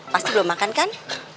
pasti belum makan kan